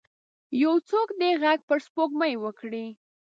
یو څوک دې ږغ پر سپوږمۍ وکړئ